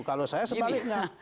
kalau saya sebaliknya